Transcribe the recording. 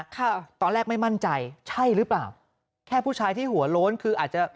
ค่ะตอนแรกไม่มั่นใจใช่หรือเปล่าแค่ผู้ชายที่หัวโล้นคืออาจจะ